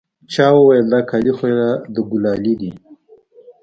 چا وويل دا کالي خو يې د ګلالي دي.